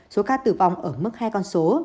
số ca tử vong ở mức hai con số